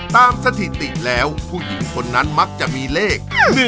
สถิติแล้วผู้หญิงคนนั้นมักจะมีเลข๔